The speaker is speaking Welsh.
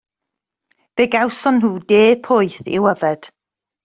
Fe gawson nhw de poeth i'w yfed.